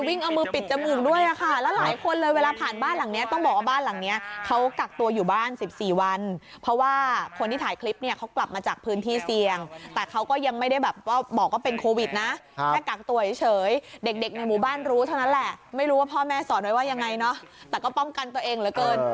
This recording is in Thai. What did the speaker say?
อีกนางกำลังจะเข้าไปแล้วค่ะนี่โอ้ยไปรอดค่ะรอดค่ะโอ้ยปิดจมูกด้วยโอ้ย